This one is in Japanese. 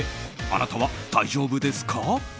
あなたは大丈夫ですか？